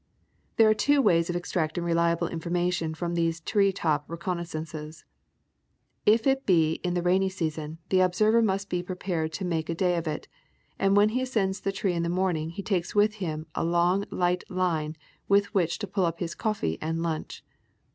There ai'e two ways of extracting reliable information from these tree top reconnaissances. If it be in the rainy season the observer must be prepared to make a day of it, and when he ascends the tree in the morning he takes with him a long light line with which to pull up his coffee and lunch.